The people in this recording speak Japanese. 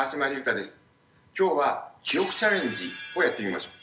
今日は記憶チャレンジをやってみましょう。